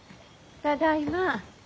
ただいま。